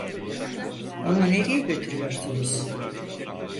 Onu nereye götürüyorsunuz?